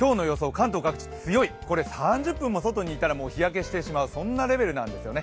関東各地強いこれ３０分も外にいたら日焼けしてしまうそんなレベルなんですよね。